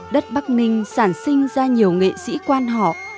đất bắc ninh sản sinh ra nhiều nghệ sĩ quan họ